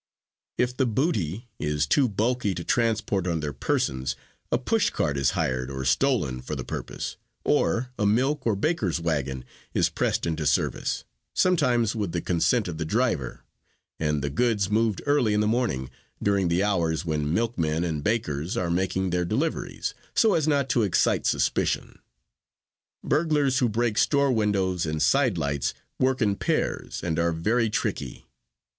"If the booty is too bulky to transport on their persons, a push cart is hired or stolen for the purpose, or a milk or baker's wagon is pressed into service, sometimes with the consent of the driver, and the goods moved early in the morning, during the hours when milkmen and bakers are making their deliveries, so as not to excite suspicion. Burglars who break store windows and side lights work in pairs and are very tricky.